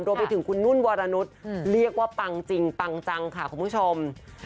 รวมไปถึงคุณนุ่นวรนุษย์เรียกว่าปังจริงปังจังค่ะคุณผู้ชม